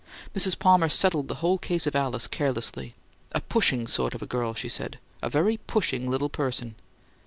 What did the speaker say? Mrs. Palmer settled the whole case of Alice carelessly. "A pushing sort of girl," she said. "A very pushing little person."